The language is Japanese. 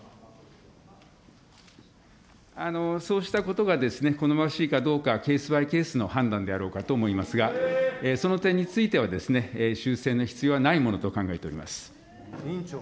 そうしたことが好ましいかどうかはケースバイケースの判断であろうかと思いますが、その点については修正の必要はないものと考えております。